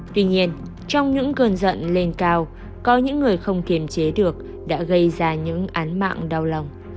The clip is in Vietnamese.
tuy nhiên trong những cơn giận lên cao có những người không kiềm chế được đã gây ra những án mạng đau lòng